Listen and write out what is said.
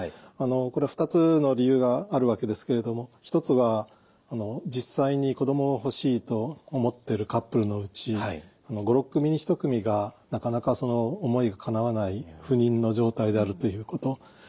これ２つの理由があるわけですけれども一つは実際に子どもを欲しいと思っているカップルのうち５６組に１組がなかなかその思いがかなわない不妊の状態であるということ。